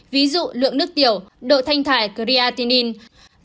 ví dụ lượng nước tiểu độ thanh thải creatinine